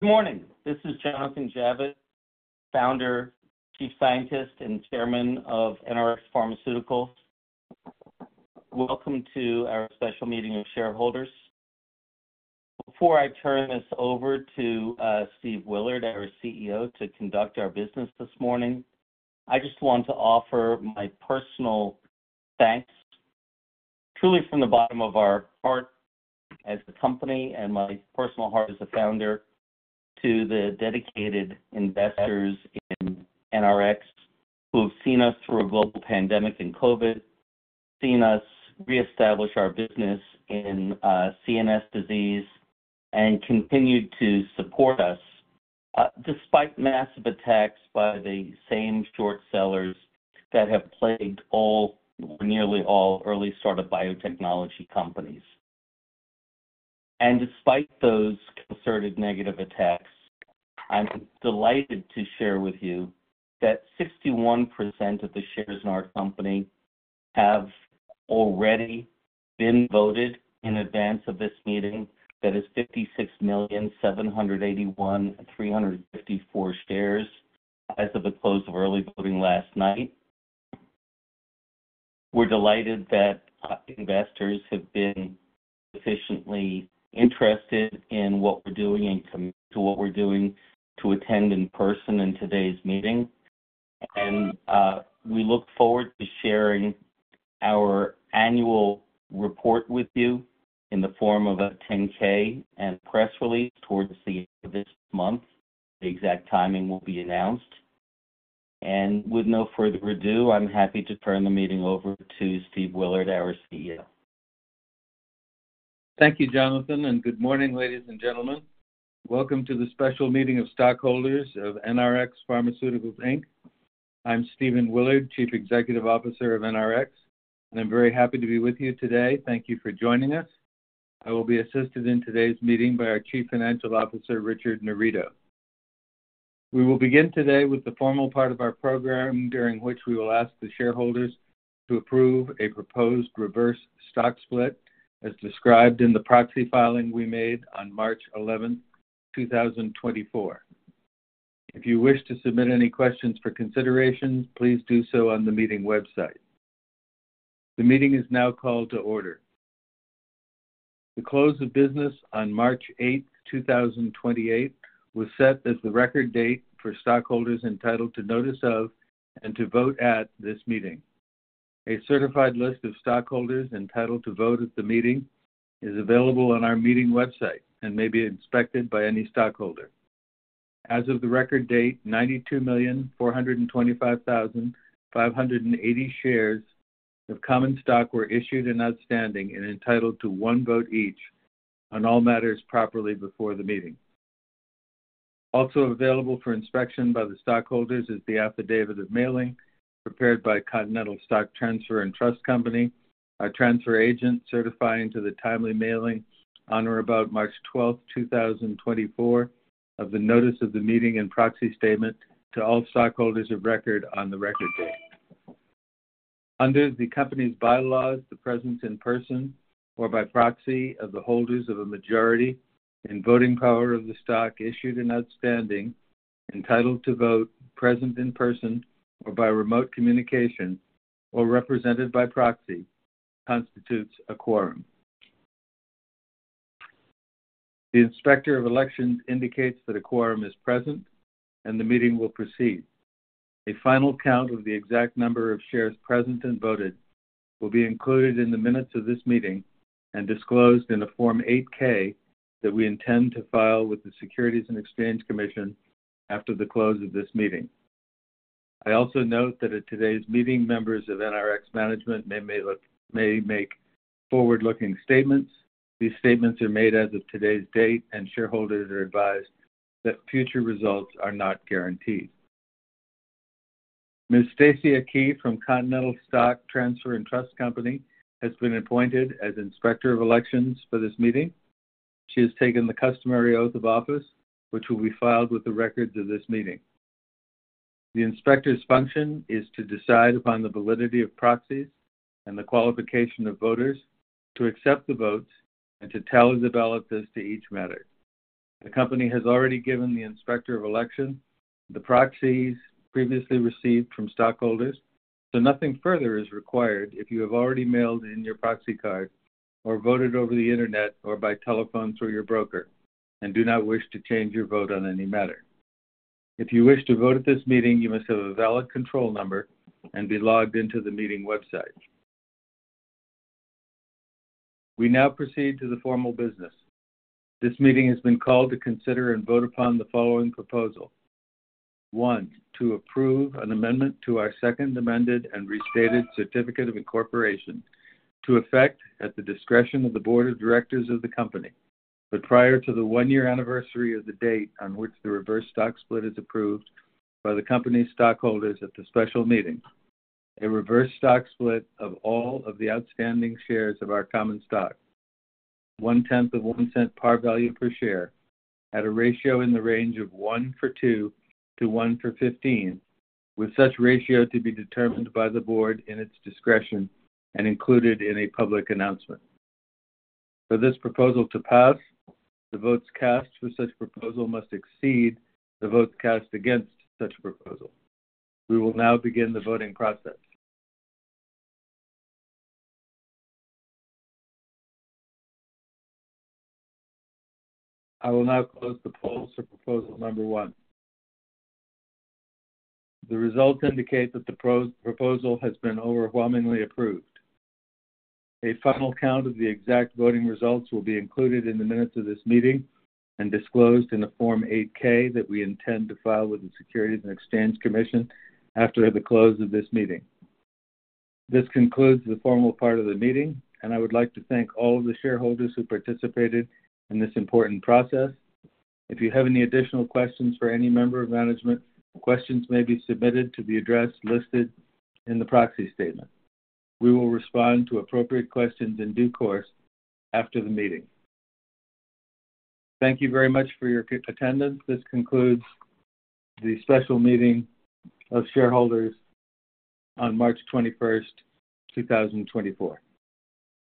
Good morning. This is Jonathan Javitt, Founder, Chief Scientist, and Chairman of NRx Pharmaceuticals. Welcome to our special meeting of shareholders. Before I turn this over to Stephen Willard, our CEO, to conduct our business this morning, I just want to offer my personal thanks, truly from the bottom of our heart as a company and my personal heart as a founder, to the dedicated investors in NRx who have seen us through a global pandemic in COVID, seen us reestablish our business in CNS disease, and continued to support us despite massive attacks by the same short sellers that have plagued all, nearly all, early sort of biotechnology companies. Despite those concerted negative attacks, I'm delighted to share with you that 61% of the shares in our company have already been voted in advance of this meeting. That is 56,781,354 shares as of the close of early voting last night. We're delighted that, investors have been sufficiently interested in what we're doing and committed to what we're doing to attend in person in today's meeting. We look forward to sharing our annual report with you in the form of a 10-K and press release towards the end of this month. The exact timing will be announced. With no further ado, I'm happy to turn the meeting over to Steve Willard, our CEO. Thank you, Jonathan, and good morning, ladies and gentlemen. Welcome to the special meeting of stockholders of NRx Pharmaceuticals, Inc. I'm Stephen Willard, Chief Executive Officer of NRx, and I'm very happy to be with you today. Thank you for joining us. I will be assisted in today's meeting by our Chief Financial Officer, Richard Narita. We will begin today with the formal part of our program, during which we will ask the shareholders to approve a proposed reverse stock split, as described in the proxy filing we made on March 11th, 2024. If you wish to submit any questions for consideration, please do so on the meeting website. The meeting is now called to order. The close of business on March 8th,2028, was set as the record date for stockholders entitled to notice of and to vote at this meeting. A certified list of stockholders entitled to vote at the meeting is available on our meeting website and may be inspected by any stockholder. As of the record date, 92,425,580 shares of common stock were issued and outstanding and entitled to one vote each on all matters properly before the meeting. Also available for inspection by the stockholders is the Affidavit of Mailing, prepared by Continental Stock Transfer & Trust Company, our transfer agent, certifying to the timely mailing on or about March 12, 2024, of the notice of the meeting and proxy statement to all stockholders of record on the record date. Under the company's bylaws, the presence in person or by proxy of the holders of a majority in voting power of the stock issued and outstanding, entitled to vote, present in person or by remote communication or represented by proxy, constitutes a quorum. The Inspector of Elections indicates that a quorum is present, and the meeting will proceed. A final count of the exact number of shares present and voted will be included in the minutes of this meeting and disclosed in a Form 8-K that we intend to file with the Securities and Exchange Commission after the close of this meeting. I also note that at today's meeting, members of NRx management may make forward-looking statements. These statements are made as of today's date, and shareholders are advised that future results are not guaranteed. Ms. Stacy Aqui from Continental Stock Transfer & Trust Company has been appointed as Inspector of Elections for this meeting. She has taken the customary oath of office, which will be filed with the records of this meeting. The inspector's function is to decide upon the validity of proxies and the qualification of voters, to accept the votes, and to tally the ballots as to each matter. The company has already given the Inspector of Elections the proxies previously received from stockholders, so nothing further is required if you have already mailed in your proxy card or voted over the internet or by telephone through your broker and do not wish to change your vote on any matter. If you wish to vote at this meeting, you must have a valid control number and be logged into the meeting website. We now proceed to the formal business. This meeting has been called to consider and vote upon the following proposal. One, to approve an amendment to our second amended and restated Certificate of Incorporation to effect, at the discretion of the Board of Directors of the company, but prior to the one-year anniversary of the date on which the reverse stock split is approved by the company's stockholders at the special meeting, a reverse stock split of all of the outstanding shares of our common stock, $0.001 par value per share, at a ratio in the range of 1-for-2 to 1-for-15, with such ratio to be determined by the board in its discretion and included in a public announcement. For this proposal to pass, the votes cast for such proposal must exceed the votes cast against such proposal. We will now begin the voting process. I will now close the polls for proposal number one. The results indicate that the proposal has been overwhelmingly approved. A final count of the exact voting results will be included in the minutes of this meeting and disclosed in a Form 8-K that we intend to file with the Securities and Exchange Commission after the close of this meeting. This concludes the formal part of the meeting, and I would like to thank all of the shareholders who participated in this important process. If you have any additional questions for any member of management, questions may be submitted to the address listed in the proxy statement. We will respond to appropriate questions in due course after the meeting. Thank you very much for your attendance. This concludes the special meeting of shareholders on March twenty-first, two thousand and twenty-four.